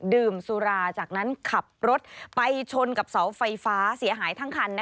ดื่มสุราจากนั้นขับรถไปชนกับเสาไฟฟ้าเสียหายทั้งคัน